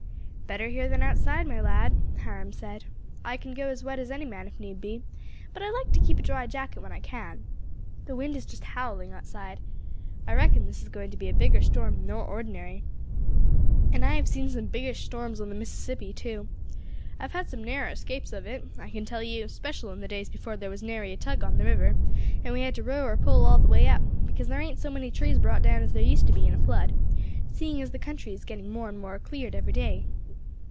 "Better here than outside, my lad," Hiram said. "I can go as wet as any man if need be, but I like to keep a dry jacket when I can. The wind is just howling outside. I reckon this is going to be a bigger storm nor ordinary, and I have seen some biggish storms on the Mississippi too. I have had some narrer escapes of it, I can tell you, special in the days before there was nary a tug on the river, and we had to row or pole all the way up; besides there ain't so many trees brought down as there used to be in a flood, seeing as the country is getting more and more cleared every day.